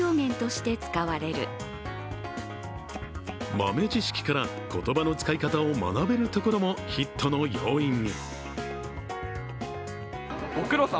豆知識ら言葉の使い方を学べるところもヒットの要因に。